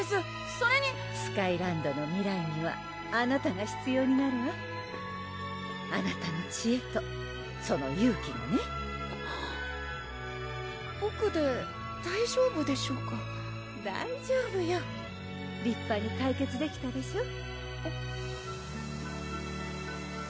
それにスカイランドの未来にはあなたが必要になるわあなたの知恵とその勇気がねボクで大丈夫でしょうか大丈夫よ立派に解決できたでしょう？